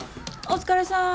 お疲れさん。